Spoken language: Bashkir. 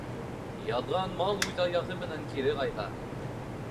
Яҙған мал үҙ аяғы менән кире ҡайта.